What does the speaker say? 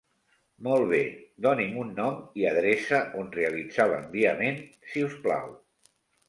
Molt bé, doni'm un nom i adreça on realitzar l'enviament si us plau.